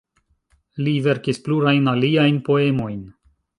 Li verkis plurajn aliajn poemojn.